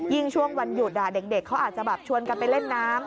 ช่วงวันหยุดเด็กเขาอาจจะแบบชวนกันไปเล่นน้ำ